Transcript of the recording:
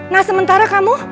nah sementara kamu